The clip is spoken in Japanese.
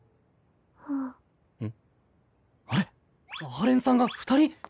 阿波連さんが２人？